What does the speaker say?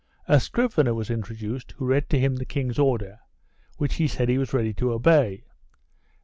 A scriv ener was introduced who read to him the king's order, which he said he was ready to obey.